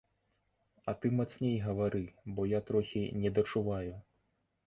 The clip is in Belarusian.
А ты мацней гавары, бо я трохі недачуваю.